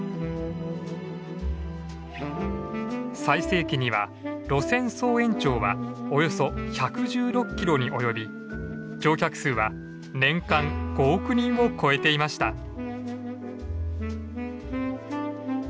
最盛期には路線総延長はおよそ１１６キロに及び乗客数は年間５億人を超えていました。